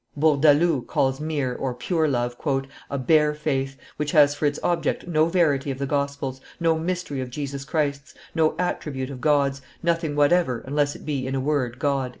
Bourdaloue calls mere (pure) love "a bare faith, which has for its object no verity of the gospel's, no mystery of Jesus Christ's, no attribute of God's, nothing whatever, unless it be, in a word, God."